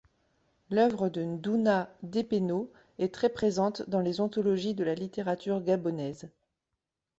L'oeuvre de Ndouna Dépénaud est très présente dans les anthologies de la littérature gabonaise.